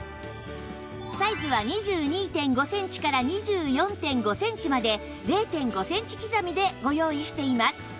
サイズは ２２．５ センチから ２４．５ センチまで ０．５ センチ刻みでご用意しています